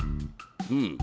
うん。